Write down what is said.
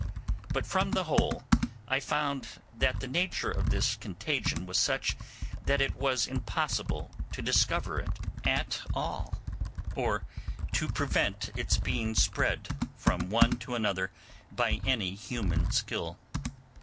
But from the whole I found that the nature of this contagion was such that it was impossible to discover it at all, or to prevent its spreading from one to another by any human skill.